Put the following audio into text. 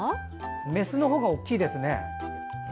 メスの方が大きいですね。